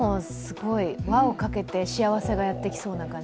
輪をかけて幸せがやってきそうな感じ。